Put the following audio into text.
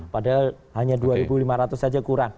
padahal hanya dua lima ratus saja kurang